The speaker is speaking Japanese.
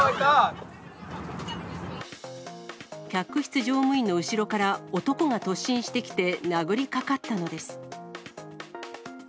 客室乗務員の後ろから、男が突進してきて殴りかかったのです。